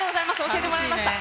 教えてもらいました。